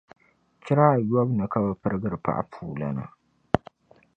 Chira ayɔbu ni ka bi pirigiri paɣapuulana